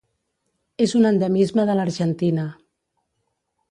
És un endemisme de l'Argentina.